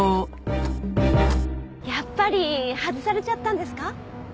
やっぱり外されちゃったんですか？